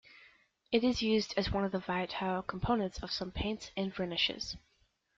It is used as one of the volatile components of some paints and varnishes.